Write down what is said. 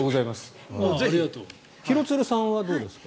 廣津留さんはどうですか？